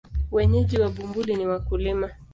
Wenyeji wa Bumbuli ni wakulima.